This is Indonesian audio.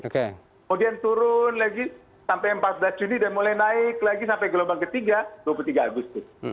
kemudian turun lagi sampai empat belas juni dan mulai naik lagi sampai gelombang ketiga dua puluh tiga agustus